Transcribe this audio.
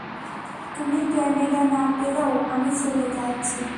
তুমি ক্যামেরা না পেলেও আমি চলে যাচ্ছি।